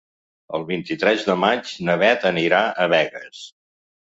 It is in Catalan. El vint-i-tres de maig na Beth anirà a Begues.